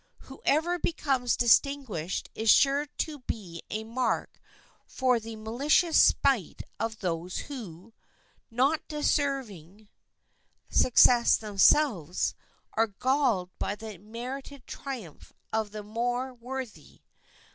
Whoever becomes distinguished is sure to be a mark for the malicious spite of those who, not deserving success themselves, are galled by the merited triumph of the more worthy.